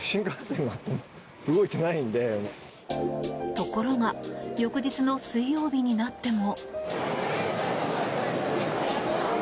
ところが翌日の水曜日になっても。